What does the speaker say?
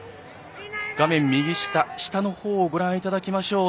画面右下下の方をご覧いただきましょう。